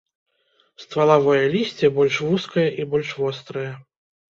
Ствалавое лісце больш вузкае і больш вострае.